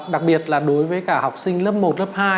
đặc biệt là đối với cả học sinh lớp một lớp hai